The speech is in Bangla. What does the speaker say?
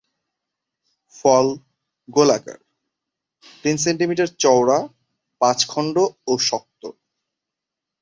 ফল গোলাকার, তিন সেমি চওড়া, পাঁচ খণ্ড ও শক্ত।